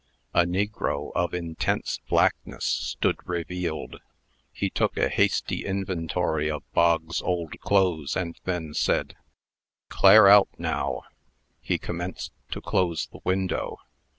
A negro of intense blackness stood revealed. He took a hasty inventory of Bog's old clothes, and then said, "Clare out, now!" He commenced to close the window.